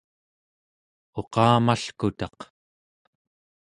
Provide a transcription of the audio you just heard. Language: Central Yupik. uqamalkutaq